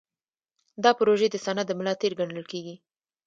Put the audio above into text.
دا پروژې د صنعت د ملا تیر ګڼل کېدې.